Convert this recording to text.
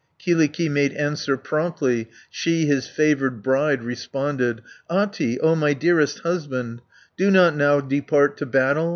40 Kyllikki made answer promptly, She his favoured bride responded: "Ahti, O my dearest husband, Do not now depart to battle!